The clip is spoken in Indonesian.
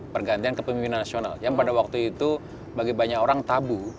pergantian kepemimpinan nasional yang pada waktu itu bagi banyak orang tabu